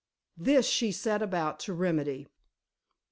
This she set about to remedy.